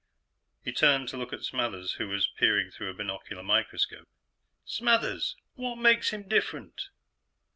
He turned to look at Smathers, who was peering through a binocular microscope. "Smathers, what makes him different?"